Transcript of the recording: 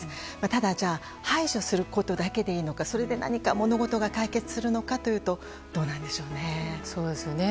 ただ、じゃあ排除することだけでいいのかそれで何か物事が解決すのかというとどうなんでしょうね。